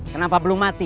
kenapa belum mati